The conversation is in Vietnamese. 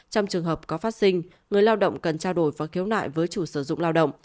trong trường hợp có phát sinh người lao động cần trao đổi và khiếu nại với chủ sử dụng lao động